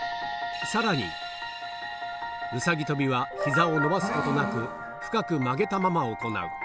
さらに、うさぎ跳びは、ひざを伸ばすことなく、深く曲げたまま行う。